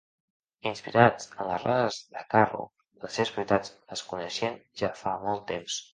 Inspirats en les rodes de carro, les seves propietats es coneixien ja fa molt temps.